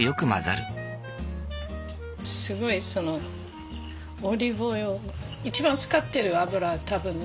すごいそのオリーブオイル一番使ってる油多分ね。